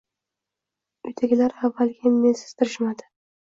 Uydagilar avvaliga menga sezdirishmadi